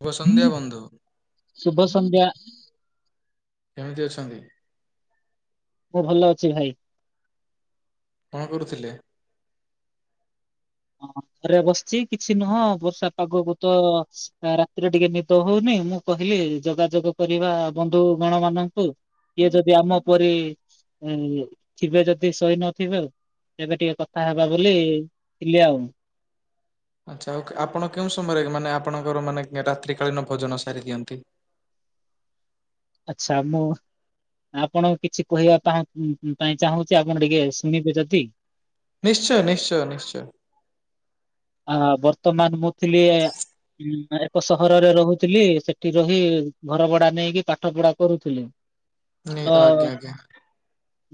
ଶୁଭ ସନ୍ଧ୍ୟା ବନ୍ଧୁ ଶୁଭ ସନ୍ଧ୍ୟା। କେମିତି ଅଛନ୍ତି? ମୁଁ ଭଲ ଅଛି ଭାଇ। କଣ କରୁଥିଲେ? ହଁ ଘରେ ବସିଚି କିଛି ନୁହଁ ବର୍ଷା ପାଗକୁ ତ ରାତିରେ ଟିକେ ନିଦ ହଉନି ମୁଁ କହିଲି ଯୋଗାଯୋଗ କରିବା ବନ୍ଧୁଗଣ ମାନଙ୍କୁ। କିଏ ଯଦି ଆମ ପରି ଉଁ ଥିବେ ଯଦି ଶୋଇ ନଥିବ ଆଉ ଏବେ ଟିକେ କଥା ହେବା ବୋଲି ଥିଲି ଆଉ। ଆଚ୍ଛା ଆଉ ଆପଣ କେଉଁ ସମୟରେ ମାନେ ଆପଣଙ୍କର ମାନେ ରାତ୍ରିକାଳୀନ ଭୋଜନ ସାରିଦିଅନ୍ତି? ଆଛା ମୁଁ ଆପଣକୁ କିଛି କହିବା ପାଇଁ ଉଁ ଉଁ ଚାହୁଁଚି ଆପଣ ଟିକେ ଶୁଣିବେ ଯଦି ନିଶ୍ଚୟ ନିଶ୍ଚୟ ନିଶ୍ଚୟ। ଆ ବର୍ତ୍ତମାନ ମୁଁ ଥିଲି ଏ ସହରରେ ରହୁଥିଲି ସେଠି ରହି ଘର ଭଡା ନେଇକି ପାଠ ପଢା କରୁଥିଲି। ନି ତ ଆଜ୍ଞା ଆଜ୍ଞା।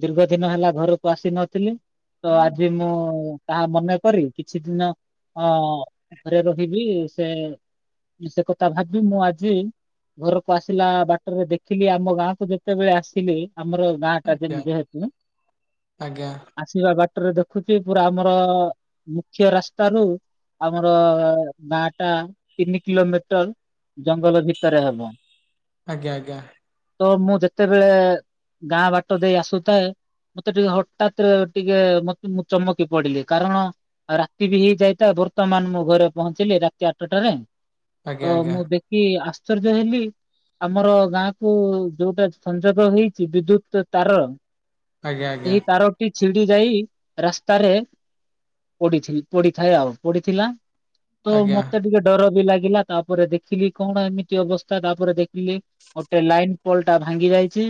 ଦୀର୍ଘ ଦିନ ହେଲା ଘରକୁ ଆସି ନଥିଲି। ତ ଆଜି ମୁଁ ତାହା ମନେକରି କିଛି ଦିନ ଅଁ ଘରେ ରହିବି ସେ ସେ କଥା ଭାବି ମୁଁ ଆଜି ଘରକୁ ଆସିଲା ବାଟରେ ଦେଖିଲି ଆମ ଗାଁକୁ ଯେତେବେଳେ ଆସିଲି ଆମର ଗାଁ ଟା ଯେମ୍ ଯେହେତୁ ଆଜ୍ଞା ଆସିବା ବାଟରେ ଦେଖୁଚି ପୁରା ଆମର ମୁଖ୍ୟ ରାସ୍ ଟାରୁ ଆମର ଗାଁ ଟା ତିନି କିଲୋମିଟର ଜଙ୍ଗଲ ଭିତରେ ହବ। ଆଜ୍ଞା ଆଜ୍ଞା। ତ ମୁଁ ଯେତେବେଳେ ଗାଁ ବାଟ ଦେଇ ଆସୁଥାଏ ମତେ ଟିକେ ହଠାତ ଟିକେ ମ ମୁଁ ଚମକି ପଡିଲି କାରଣ ରା ତି ବି ହେଇଯାଇଥା ବର୍ତ୍ତମାନ ମୋ ଘରେ ପହଞ୍ଚିଲି ରାତି ଆଠଟାରେ ତ ଆଜ୍ଞା ମୁ ଦେ କି ଆଶ୍ଚର୍ଯ୍ୟ ହେଲି। ଆମର ଗାଁ କୁ ଯୋଉଟା ସଂଯୋଗ ହେଇଚି ବିଦ୍ୟୁତ ତାର। ଆଜ୍ଞା ଆଜ୍ଞା ସେହି ତାରଟି ଛିଣ୍ଡି ଯାଇ ରାସ୍ତାରେ ପଡ଼ିଛି। ପଡିଥାଏ ଆଉ ପଡିଥିଲା ତ ଆଜ୍ଞା ଆଜ୍ଞା ଆଜ୍ଞା ମତେ ଟିକେ ଡର ବି ଲାଗିଲା। ତାପରେ ଦେଖିଲି କଣ ଏମିତି ଅବସ୍ଥା ତାପରେ ଦେଖିଲି ଗୋଟେ ଲାଇନ ପଲଟା ଭାଙ୍ଗି ଯାଇଚି।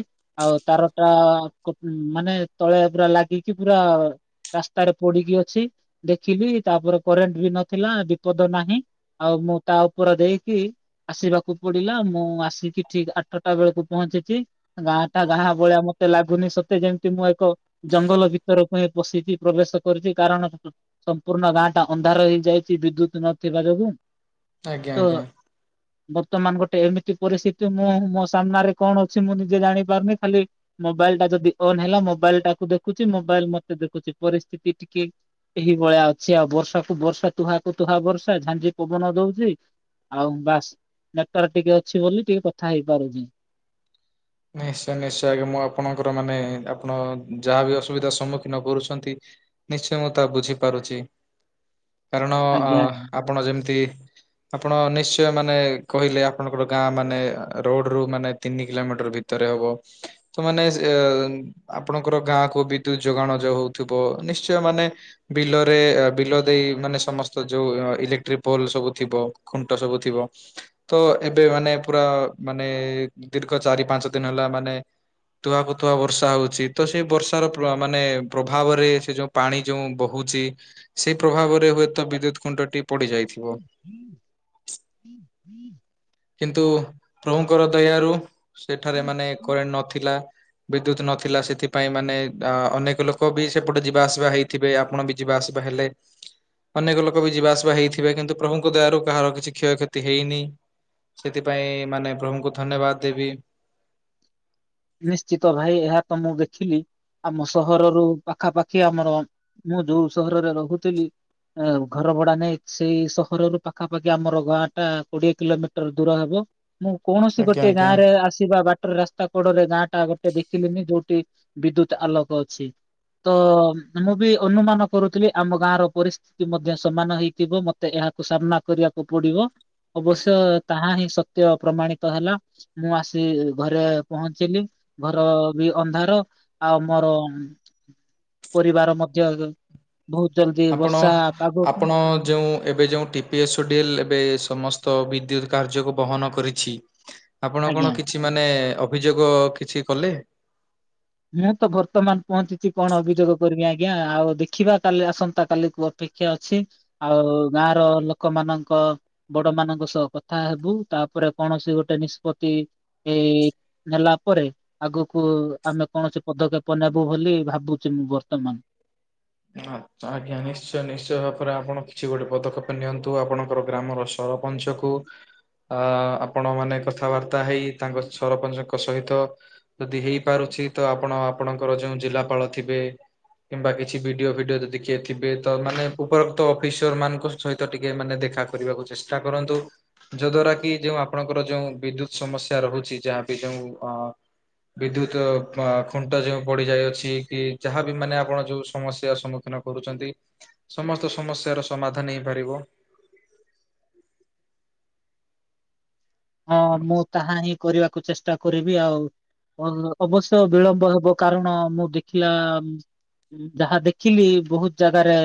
ଆଉ ତାର ଟା କପ୍ ମାନେ ତଳେ ପୁରା ଲାଗିକି ପୁରା ରାସ୍ତାରେ ପଡିକି ଅଛି। ଦେଖିଲି ତାପରେ କରେଣ୍ଟ ବି ନଥିଲା ବିପଦ ନାହିଁ ଆଉ ମୁଁ ତା ଉପର ଦେଇକି ଆସିବାକୁ ପଡିଲା ମୁଁ ଆସିକି ଠିକ ଆଠଟା ବେଳକୁ ପହଞ୍ଚିଚି। ଗାଁ ଟା ଗାଁ ଭଳିଆ ମତେ ଲାଗୁନି ସତେ ଯେମିତି ମୁଁ ଏକ ଜଙ୍ଗଲ ଭିତରକୁ ହିଁ ପଶିଛି ପ୍ରବେଶ କରୁଛି କାରଣ ସମ୍ପୂର୍ଣ୍ଣ ଗାଁ ଟା ଅନ୍ଧାର ହେଇଯାଇଛି ବିଦ୍ୟୁତ ନଥିବା ଯୋଗୁ। ଆଜ୍ଞା ତ ଆଜ୍ଞା। ବର୍ତ୍ତମାନ ଗୋଟେ ଏମିତି ପରିସ୍ଥିତି ମୁଁ ମୋ ସାମ୍ନାରେ କଣ ଅଛି ମୁଁ ନିଜେ ଜାଣି ପାରୁନି ଖାଲି ମୋବାଇଲ ଟା ଯଦି ଅନ୍ ହେଲା ମୋବାଇଲଟାକୁ ଦେଖୁଛି ମୋବାଇଲ ମତେ ଦେଖୁଛି ପରିସ୍ଥିତି ଟିକେ ଏଇଭଳିଆ ଅଛି ଆଉ ବର୍ଷାକୁ ବର୍ଷା ତୁହାକୁ ତୁହା ବର୍ଷା ଝାଞଜି ପବନ ଦଉଛି। ଆଉ ବାସ୍ ନେଟୱାର୍କ ଟିକେ ଅଛି ବୋଲି ଟିକେ କଥା ହେଇପାରୁଛି। ନିଶ୍ଚୟ ନିଶ୍ଚୟ ଆଜ୍ଞା ମୁଁ ଆପଣଙ୍କର ମାନେ ଆପଣ ଯାହାବି ଅସୁବିଧା ସମ୍ମୁଖୀନ କରୁଛନ୍ତି ନିଶ୍ଚୟ ମୁଁ ତା ବୁଝିପାରୁଛି କାରଣ ଅ ଆଜ୍ଞା। ଆପଣ ଯେମିତି ଆପଣ ନିଶ୍ଚୟ ମାନେ କହିଲେ ଆପଣଙ୍କର ଗାଁ ମାନେ ରୋଡରୁ ମାନେ ତିନି କିଲୋମିଟର ଭିତ ଭିତରେ ହବ ତ ମାନେ ସେ ଆପଣଙ୍କର ଗାଁକୁ ବିଦ୍ୟୁତ ଯୋଗାଣ ଯଉ ହଉଥିବ ନିଶ୍ଚୟ ମାନେ ବିଲରେ ବିଲ ଦେଇ ମାନେ ସମସ୍ତ ଯୋଉ ଇଲେକ୍ଟ୍ରିକ ପୋଲ ସବୁ ଥିବ ଖୁଣ୍ଟ ସବୁ ଥିବ। ତ ଏବେ ମାନେ ପୁରା ମାନେ ଦୀର୍ଘ ଚାରି ପାଞ୍ଚ ଦିନ ହେଲା ମାନେ ତୁଆକୁୁତୁଆ ବର୍ଷା ହଉଛି ତ ସେଇ ବର୍ଷାର ପ୍ର ମାନେ ପ୍ରଭାବରେ ସେ ଯୋଉ ପାଣି ଯୋଉ ବହୁଛି ସେଇ ପ୍ରଭାବରେ ହୁଏତ ବିଦ୍ୟୁତ ଖୁଣ୍ଟଟି ପଡିଯାଇ [inaudible] କିନ୍ତୁ ପ୍ରଭୁଙ୍କର ଦୟାରୁ ସେଠାରେ ମାନେ କରେଣ୍ଟ ନଥିଲା। ବିଦ୍ୟୁତ ନଥିଲା ସେଥିପାଇଁ ମାନେ ଅ ଅନେକ ଲୋକ ବି ସେପଟେ ଯିବା ଆସିବା ହେଇ ଥିବେ ଆପଣ ବି ଯିବା ଆସିବା ହେଲେ ଅନେକ ଲୋକ ବି ଯିବାଆସିବା ହେଇଥିବେ କିନ୍ତୁ ପ୍ରଭୁଙ୍କ ଦୟାରୁ କାହାର କିଛି କ୍ଷୟକ୍ଷତି ହେଇନି। ସେଥିପାଇଁ ମାନେ ପ୍ରଭୁଙ୍କୁ ଧନ୍ୟବାଦ ଦେବି। ନିଶ୍ଚିତ ଭାଇ ଏହା ତ ମୁଁ ଦେଖିନି। ଆମ ସହରରୁ ପାଖାପାଖି ଆମର ମୁଁ ଯୋଉ ସହରରେ ରହୁଥିଲି। ଆ ଘର ଭଡା ନେଇଚି ସହରରୁ ପାଖାପାଖି ଆମର ଗାଁ ଟା କୋଡିଏ କିଲୋମିଟର ଦୂର ହବ। ମୁଁ କୌଣସି ଆଜ୍ଞା ଗୋଟେ ଆଜ୍ଞା ଗାଁରେ ଆସିବା ବାଟରେ ରାସ୍ତା ଗୋଡ଼ରେ ଗାଁଟା ଗୋଟେ ଦେଖିଲେନି ଯୋଉଠି ବିଦ୍ୟୁତ ଆଲୋକ ଅଛି। ତ ମୁଁ ବି ଅନୁମାନ କରୁଥିଲି ଆମ ଗାଁର ପରିସ୍ଥିତି ଟି ମଧ୍ୟ ସମାନ ହେଇଥିବ ମତେ ଏହାକୁ ସାମ୍ନା କରିବାକୁ ପଡିବ। ଅବଶ୍ୟ ତାହା ହିଁ ସତ୍ୟ ପ୍ରମାଣିତ ହେଲା ମୁଁ ଆସି ଘରେ ପହଞ୍ଚିଲି ଘର ବି ଅନ୍ଧାର ଆଉ ମୋର ପରିବାର ମଧ୍ୟ ବହୁତ ଜଲଦି ଆପଣ ବର୍ଷା ପାଗକୁ ଆପଣ ଯେଉଁ ଏବେ ଯେଉଟି ଡ଼ିଲ ଏବେ ସମସ୍ତ ବିଦ୍ୟୁତ କାର୍ଯ୍ୟକୁ ବହନ କରିଛି ଆପଣ ଆଜ୍ଞା କଣ କିଛି କି ମାନେ ଅଭିଯୋଗ କିଛି କଲେ? ମୁଁ ତ ବର୍ତ୍ତମାନ ପହଞ୍ଚିଛି କଣ ଅଭିଯୋଗ କରିବି ଆଜ୍ଞା ଆଉ ଦେଖିବା କାଲି ଆସନ୍ତା କାଲିକୁ ଅପେକ୍ଷା ଅଛି ଆଉ ଗାଁର ଲୋକମାନଙ୍କ ବଡ ମାନଙ୍କ ସହ କଥା ହେବୁ ତାପରେ କୌଣସି ଗୋଟେ ନିଷ୍ପତ୍ତି ଏଇ ନେଲା ପରେ ଆଗକୁ ଆମେ କୌଣସି ପଦକ୍ଷେପ ନେବୁ ବୋଲି ଭାବୁଛି ମୁଁ ବର୍ତ୍ତମାନ। ଆ ଆଜ୍ଞା ନିଶ୍ଚୟ ନିଶ୍ଚୟ ଭାବରେ ଆପଣ କିଛି ଗୋଟେ ପଦକ୍ଷେପ ନିଅନ୍ତୁ ଆପଣଙ୍କର ଗ୍ରାମର ଅପଞ୍ଚ କୁ ଅ ଆପଣ ମାନେ କଥାବାର୍ତ୍ତା ହେଇ ତାଙ୍କ ସରପଞ୍ଚଙ୍କ ସହିତ ଯଦି ହେଇପାରୁଛି ତ ଆପଣ ଆପଣଙ୍କର ଯୋଉ ଜିଲ୍ଲାପାଳ ଥିବେ କିମ୍ବା କିଛି ଭିଡିଓ ଫିଡିଓ ଯଦି କିଏ ଥିବେ ତ ମାନେ ଉପରୋକ୍ତ ଅଫିସର ମାନଙ୍କ ସହିତ ଟିକେ ମାନେ ଦେଖା କରିବାକୁ ଚେଷ୍ଟା ଚେଷ୍ଟା କରନ୍ତୁ। ଯୋ ଦ୍ଵାରା କି ଯୋଉ ଆପଣଙ୍କର ଯୋଉ ବିଦ୍ୟୁତ ସମସ୍ୟା ରହୁଛି ଯାହାବି ଯୋଉ ଅ ବିଦ୍ୟୁତ ଖୁଣ୍ଟ ଯେଉଁ ପଡିଯାଇଅଛି କି ଯାହା ବି ମାନେ ଆପଣ ଯଉ ସମସ୍ୟାର ସମ୍ମୁଖୀନ କରୁଛନ୍ତି ସମସ୍ତ ସମସ୍ୟାର ସମାଧାନ ହେଇପାରିବ। ହଁ ମୁଁ ତାହା ହିଁ କରିବାକୁ ଚେଷ୍ଟା କରିବି ଆଉ। ଅବଶ୍ୟ ବିଳମ୍ବ ହେବ କାରଣ ମୁଁ ଦେଖିଲା ଯାହା ଦେଖିଲି ବହୁତ ଜାଗାରେ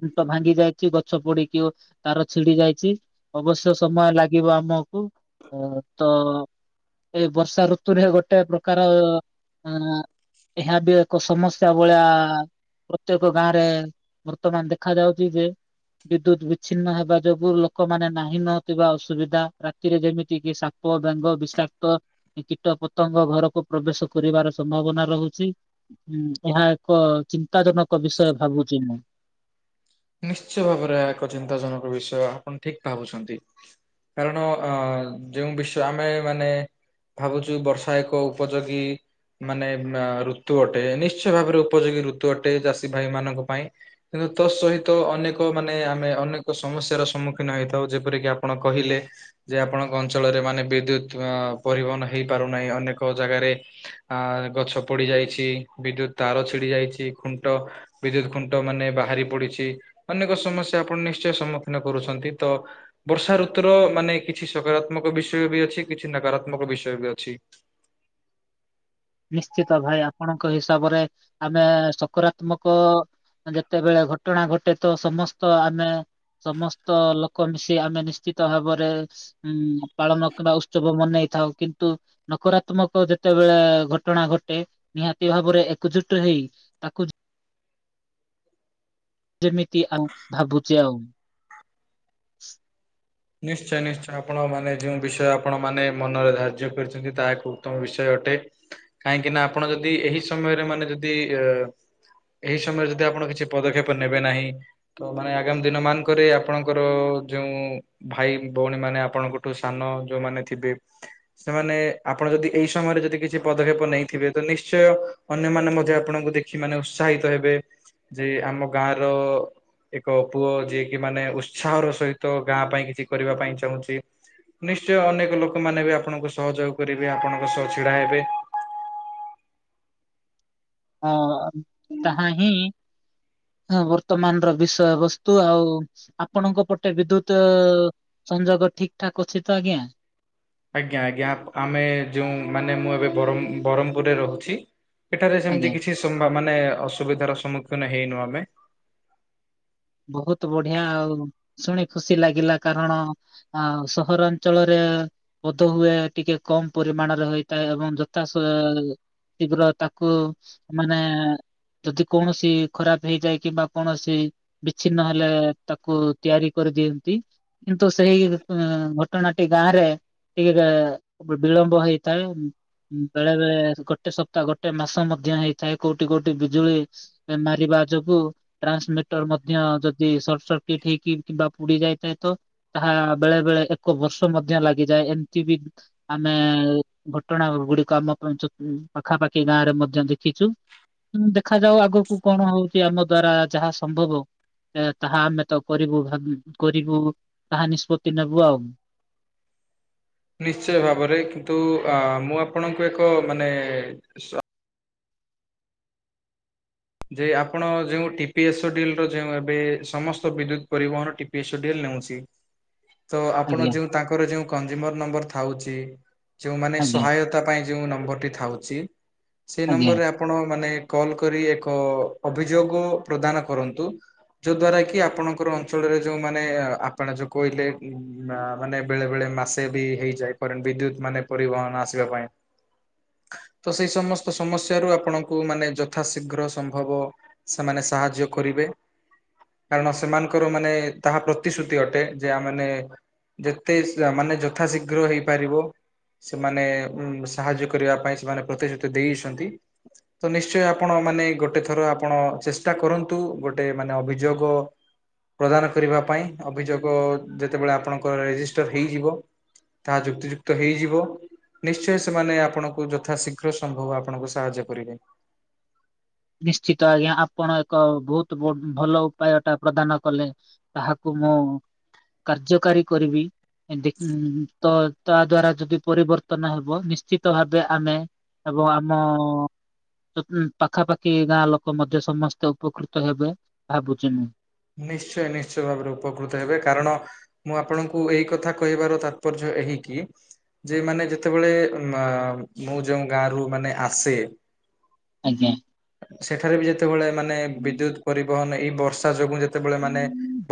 ଖୁଣ୍ଟ ଭାଙ୍ଗି ଯାଇଛି ଗଛ ପୋଡିକି ତାର ଛିଡି ଯାଇଛି। ଅବଶ୍ୟ ସମୟ ଲାଗିବ ଆମକୁ ତ ଏଇ ବର୍ଷା ଋତୁରେ ଗୋଟେ ପ୍ରକାର ଅ ଏହା ବି ଏକ ସମସ୍ୟା ଭଳିଆ ପ୍ରତ୍ୟେକ ଗାଁ ରେ ବର୍ତ୍ତମାନ ଦେଖା ଯାଉଚି ଯେ ବିଦ୍ୟୁତ ବିଛିନ୍ନ ହେବା ଯୋଗୁ ଲୋକମାନେ ନାହିଁ ନଥିବା ଅସୁବିଧା ରାତିରେ ଯେମିତି କି ସାପ ବେଙ୍ଗ ବିଷାକ୍ତ କୀଟ ପତଙ୍ଗ ଘରକୁ ପ୍ରବେଶ କରିବାର ସମ୍ଭାବନା ରହୁଛି। ଏହା ଏକ ଚିନ୍ତାଜନକ ବିଷୟ ଭାବୁଛି ମୁଁ। ନିଶ୍ଚୟ ଭାବରେ ଏହା ଏକ ଚିନ୍ତାଜନକ ବିଷୟ ଆପଣ ଠିକ ଭାବୁଛନ୍ତି। କାରଣ ଯେଉଁ ବିଶ୍ଵ ଆମେ ମାନେ ଭାବୁଛୁ ବର୍ଷା ଏକ ଉପଯୋଗୀ। ମାନେ ଋତୁ ଅଟେ ନିଶ୍ଚୟ ଭାବରେ ଉପଯୋଗୀ ଋତୁ ଅଟେ ଚାଷୀ ଭାଇ ମାନଙ୍କ ପାଇଁ। କିନ୍ତୁ ତୋ ସହିତ ତ ଅନେକ ମାନେ ଆମେ ଅନେକ ସମସ୍ୟାର ସମ୍ମୁଖୀନ ହେଇଥାଉ ଯେପରିକି ଆପଣ କହିଲେ। ଯେ ଆପଣଙ୍କ ଅଞ୍ଚଳରେ ମାନେ ବିଦ୍ୟୁତ ଅ ପରିବହନ ହେଇପାରୁନାହିଁ ଅନେକ ଜାଗାରେ। ଆ ଗଛ ପଡି ଯାଇଛି ବିଦ୍ୟୁତ ତାର ଛିଡି ଯାଇଛି ଖୁଣ୍ଟ ବିଦ୍ୟୁତ ଖୁଣ୍ଟ ମାନେ ବାହାରି ପଡିଛି ଅନେକ ସମସ୍ୟା ଆପଣ ନିଶ୍ଚୟ ସମ୍ମୁଖୀନ କରୁଛନ୍ତି ତ। ବର୍ଷା ଋତୁର ମାନେ କିଛି ସକାରାତ୍ମକ ବିଷୟ ବି ଅଛି କିଛି ନକାରାତ୍ମକ ବିଷୟ ବି ଅଛି। ନିଶ୍ଚିତ ଭାଇ ଆପଣଙ୍କ ହିସାବରେ ଆମେ ସକାରାତ୍ମକ। ଯେତେବେଳେ ଘଟଣା ଘଟେ ତ ସମସ୍ତ ଆମେ ସମସ୍ତ ଲୋକ ମିଶି ଆମେ ନିଶ୍ଚିତ ଭାବରେ। ଉଁ ପାଳନ କିମ୍ବା ଉତ୍ସବ ମନେଇଥାଉ କିନ୍ତୁ ନକରାତ୍ମକ ଯେତେବେଳେ ଘଟ ଘଟଣା ଘଟେ ନିହାତି ଭାବରେ ଏକଜୁଟ ହେଇ ତାକୁ। ଯେମିତି ଆଉ ଭାବୁଛି ଆଉ। ନିଶ୍ଚୟ ନିଶ୍ଚୟ ଆପଣ ମାନେ ଯେଉଁ ବିଷୟ ଆପଣ ମାନେ ମନରେ ଧାର୍ଯ୍ୟ କରିଛନ୍ତି ତାହା ଏକ ଉତ୍ତମ ବିଷୟ ଅଟେ। କାହିଁକି ନା ଆପଣ ଯଦି ଏହି ସମୟରେ ମାନେ ଯଦି ଅ ଏହି ସମୟରେ ଯଦି ଆପଣ କିଛି ପଦକ୍ଷେପ ନେବେ ନାହିଁ। ତ ମାନେ ଆଗାମୀ ଦିନ ମାନଙ୍କରେ ଆପଣଙ୍କର ଯୋଉ ଭାଇ ଭଉଣୀ ମାନେ ଆପଣଙ୍କଠୁ ସାନ ଯୋଉମାନେ ଥିବେ। ସେମାନେ ଆପଣ ଯଦି ଏଇ ସମୟରେ ଯଦି କିଛି ପଦକ୍ଷେପ ନେଇଥିବେ ତ ନିଶ୍ଚୟ। ଅନ୍ୟମାନେ ମଧ୍ୟ ଆପଣଙ୍କୁ ଦେଖି ମାନେ ଉତ୍ସାହିତ ହେବେ। ଯେ ଆମ ଗାଁ ର ଏକ ପୁଅ ଯିଏକି ମାନେ ଉତ୍ସାହର ସହିତ ଗାଁ ପାଇଁ କିଛି କରିବା ପାଇଁ ଚାହୁଁଛି। ନିଶ୍ଚୟ ଅନେକ ଲୋକମାନେ ବି ଆପଣଙ୍କୁ ସହଯୋଗ କରିବେ ଆପଣଙ୍କ ସହ ଛିଡା ହେବେ। ହଁ ତାହା ହିଁ ହଁ ବର୍ତ୍ତମାନର ବିଷୟ ବସ୍ତୁ ଆଉ ଆପଣଙ୍କ ପଟେ ବିଦ୍ୟୁତ। ସଂଯୋଗ ଠିକ ଠାକ୍ ଅଛି ତ ଆଜ୍ଞା। ଆଜ୍ଞା ଆଜ୍ଞା ଆମେ ଯେଉଁ ମାନେ ମୁଁ ଏବେ ବର ବରମ୍ପୁରରେ ରହୁଛି। ଏଠାରେ ସେମିତି ଆଜ୍ଞା। କିଛି ସ ମାନେ ଅସୁବିଧାର ସମ୍ମୁଖୀନ ହେଇନୁ ଆମେ। ବହୁତ ବଢିଆ ଆଉ ଶୁଣି ଖୁସି ଲାଗିଲା କାରଣ। ଆଉ ସହରାଞ୍ଚଳରେ। ପଦ ହୁଏ ଟିକେ କମ ପରିମାଣରେ ହୋଇଥାଏ ଏବଂ ଯଥା ସ। ଶୀଘ୍ର ତାକୁ ମାନେ। ଯଦି କୌଣସି ଖରାପ ହେଇଯାଏ କିମ୍ବା କୌଣସି। ବିଚ୍ଛିନ୍ନ ହେଲେ ତାକୁ ତିଆରି କରିଦିଅନ୍ତି। କିନ୍ତୁ ସେଇ ଘଟଣାଟି ଗାଁ ରେ ଟିକେ ଯାହା ବିଳମ୍ୱ ହେଇଥାଏ। ବେଳେ ବେଳେ ଗୋଟେ ସପ୍ତାହ ଗୋଟେ ମାସ ମଧ୍ୟ ହେଇଥାଏ କୋଉଠି କୋଉଠି ବିଜୁଳି। ମାରିବା ଯୋଗୁ ଟ୍ରାନ୍ସମିଟ ମଧ୍ୟ ଯଦି ସଟ ସର୍କିଟ ହେଇକି କିମ୍ବା ପୁଡି ଯାଇଥାଏ ତ। ତାହା ବେଳେ ବେଳେ ଏକ ବର୍ଷ ମଧ୍ୟ ଲାଗିଯାଏ ଏମିତି ବି ଆମେ ଘଟଣା ଗୁଡିକ ଆମ ପଞ୍ଚ ପାଖାପାଖି ଗାଁରେ ମଧ୍ୟ ଦେଖିଛୁ। ହଁ ଦେଖାଯାଉ ଆଗକୁ କଣ ହଉଛି ଆମ ଦ୍ଵାରା ଯାହା ସମ୍ଭବ। ତାହା ଆମେ ତ କରିବୁ ଭାବ କରିବୁ ତାହା ନିଷ୍ପତ୍ତି ନେବୁ ଆଉ। ନିଶ୍ଚୟ ଭାବରେ କିନ୍ତୁ ଅ ମୁଁ ଆପଣଙ୍କୁ ଏକ ମାନେ ସ ଯେ ଆପଣ ଯୋଉ ଟିପି ଏସ୍ ଡ ର ଯଉଁ ଏବେ ସମସ୍ତ ବିଦ୍ୟୁତ ପରିବହନ। [unintelligible] ତ ଆପଣ ଆଜ୍ଞା ଯୋଉ ତାଙ୍କର ଯୋଉ କନଜୁମର ନମ୍ବର ଥାଉଛି ଯୋଉମାନେ ଆଜ୍ଞା ସହାୟତ ପାଇଁ ଯେଉଁ ନମ୍ବର ଟି ଥାଉଛି ସେ ଆଜ୍ଞା ନମ୍ବର୍ ରେ ଆପଣ ମାନେ କଲ୍ କରି ଏକ ଏକ ଅଭିଯୋଗ ପ୍ରଦାନ କରନ୍ତୁ। ଯୋଉ ଦ୍ଵାରା କି ଆପଣଙ୍କର ଅଞ୍ଚଳରେ ଯୋଉମାନେ ଆପଣ ଯୋଉ କହିଲେ ଉ ମାନେ ବେଳେ ବେଳେ ମାସେ ବି ହେଇଯାଏ କରେଣ୍ଟ ବିଦ୍ୟୁତ ମାନେ ପରିବହନ ଆସିବା ପାଇଁ। ତ ସେଇ ସମସ୍ତ ସମସ୍ୟାରୁ ଆପଣଙ୍କୁ ମାନେ ଯଥାଶୀଘ୍ର ସମ୍ଭବ ସେମାନେ ସାହାଯ୍ୟ କରିବେ। କାରଣ ସେମାନଙ୍କର ମାନେ ତାହା ପ୍ରତିଶ୍ରୁତି ଅଟେ ଯା ମାନେ ଯେତେ ସ ମାନେ ଯଥାଶୀଘ୍ର ହେଇପାରିବ। ସେମାନେ ଉ ସାହାଯ୍ୟ କରିବା ପାଇଁ ସେମାନେ ପ୍ରତିଶ୍ରୁତି ଦେଇଛନ୍ତି। ତ ନିଶ୍ଚୟ ଆପଣ ମାନେ ଗୋଟେ ଏ ଥର ଆପଣ ଚେଷ୍ଟା କରନ୍ତୁ ଗୋଟେ ମାନେ ଅଭିଯୋଗ ପ୍ରଦାନ କରିବା ପାଇଁ ଅଭିଯୋଗ ଯେତେବେଳେ ଆପଣଙ୍କର ରେଜିଷ୍ଟର୍ ହେଇଯିବ। ତାହା ଯୁକ୍ତିଯୁକ୍ତ ହେଇଯିବ। ନିଶ୍ଚୟ ସେମାନେ ଆପଣଙ୍କୁ ଯଥା ଶୀଘ୍ର ସମ୍ଭବ ଆପଣଙ୍କୁ ସାହାଯ୍ୟ କରିବେ। ନିଶ୍ଚିତ ଆଜ୍ଞା ଆପଣ ଏକ ବହୁତ ଭଲ ଉପାୟ ଟା ପ୍ରଦାନ କଲେ। ତାହାକୁ ମୁଁ କାର୍ଯ୍ୟକାରୀ କରିବି ଏମିତି ତ ତା ଦ୍ଵାରା ଯଦି ପରିବର୍ତ୍ତନ ହେବ ନିଶ୍ଚିତ ଭାବେ ଆମେ ଏବଂ ଆମ ସପ୍ ପାଖାପାଖି କି ଗାଁ ଲୋକ ମଧ୍ୟ ସମସ୍ତେ ଉପକୃତ ହେବେ ଭାବୁଛି ମୁଁ। ନିଶ୍ଚୟ ନିଶ୍ଚୟ ଭାବରେ ଉପକୃତ ହେବେ କାରଣ ମୁଁ ଆପଣଙ୍କୁ ଏଇ କଥା କହିବାର ତାତ୍ପର୍ଯ୍ୟ ଏହିକି ଯେ ମାନେ ଯେତେବେଳେ ମା ମୁଁ ଯୋଉ ଗାଁରୁ ମାନେ ଆସେ ଆଜ୍ଞା। ସେଠାରେବି ଯେତେବେଳେ ମାନେ ବିଦ୍ୟୁତ ପରିବହନ ଏଇ ବର୍ଷା ଯୋଗୁ ଯେ ଯେତେବେଳେ ମାନେ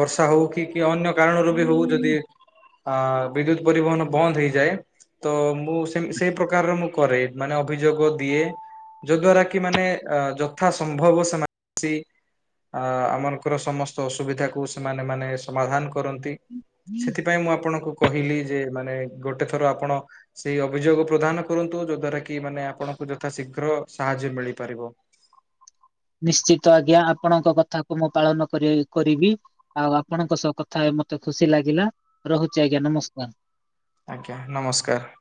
ବର୍ଷା ହଉକି କିଅନ୍ୟ କାରଣରୁ ବି ହଉ ଯଦି ଅ ବିଦ୍ୟୁତ୍ ପରିବହନ ବନ୍ଦ ହେଇଯାଏ ତ ମୁଁ ସେମି ସେଇ ପ୍ରକାରରେ ମୁଁ କରେ ମାନେ ଅଭିଯୋଗ ଦିଏ। ଯୋଉ ଦ୍ଵାରାକି ମାନେ ଅ ଯଥା ସମ୍ଭବ ସେମାନେ ଆସି ଅ ଆମାନଙ୍କର ସମସ୍ ଅସୁବିଧାକୁ ସେମାନେ ମାନ ସମାଧାନ କରନ୍ତି ସେଥିପାଇଁ ମୁଁ ଆପଣଙ୍କୁ କହିଲିଯେ ମାନେ ଗୋଟେ ଥର ଆପଣ ସେଇ ଅଭିଯୋଗ ପ୍ରଦାନ କରନ୍ତୁ ଯୋଉ ଦ୍ଵାରାକି ମାନେ ଆପଣଙ୍କୁ ଯଥାଶୀଘ୍ର ସାହାଯ୍ୟ ମିଳିପାରିବ। ନିଶ୍ଚିତ ଆଜ୍ଞା ଆପଣଙ୍କ କଥାକୁ ମୁଁ ପାଳନ କରି କରିବି। ଆଉ ଆପଣଙ୍କ ସହ କଥାହେଇ ମତେ ଖୁସି ଲାଗିଲା ରହୁଚି ଆଜ୍ଞା ନମସ୍କାର। ଆଜ୍ଞା ନମସ୍କାର।